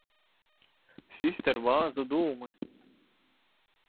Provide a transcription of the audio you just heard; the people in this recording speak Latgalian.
Sist ar vāzu dūmys.